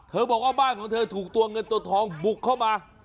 บอกว่าบ้านของเธอถูกตัวเงินตัวทองบุกเข้ามา